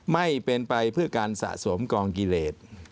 ไม่เป็นไปเพื่อการสะสมกองกิเลส